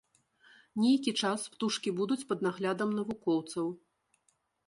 Нейкі час птушкі будуць пад наглядам навукоўцаў.